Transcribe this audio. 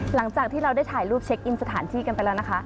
หลังจากที่เราได้ถ่ายรูปเช็คอินสถานที่กันไปแล้วนะคะ